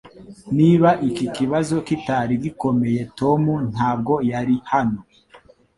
Niba iki kibazo kitari gikomeye Tom ntabwo yari hano